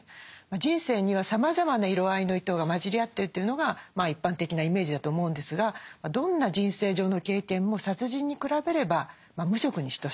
人生にはさまざまな色合いの糸が混じり合ってるというのが一般的なイメージだと思うんですがどんな人生上の経験も殺人に比べれば無色に等しい。